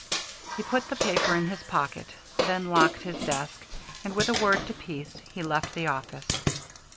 He put the paper in his pocket, then locked his desk, and with a word to Pease he left the office.